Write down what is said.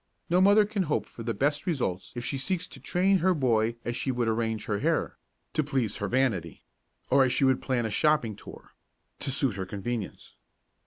No mother can hope for the best results if she seeks to train her boy as she would arrange her hair to please her vanity or as she would plan a shopping tour to suit her convenience.